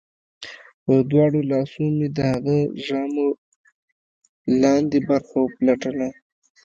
په دواړو لاسو مې د هغه د ژامو لاندې برخه وپلټله